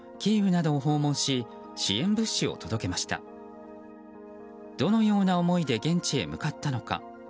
どのような思いで現地に向かったのか。